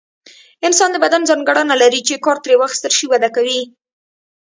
انسان د بدن ځانګړنه لري چې کار ترې واخیستل شي وده کوي.